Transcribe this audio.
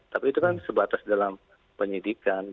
tapi itu kan sebatas dalam penyidikan